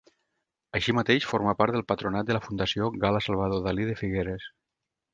Així mateix forma part del patronat de la Fundació Gala-Salvador Dalí de Figueres.